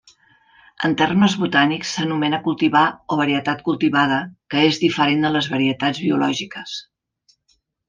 En termes botànics s'anomena cultivar, o varietat cultivada, que és diferent de les varietats biològiques.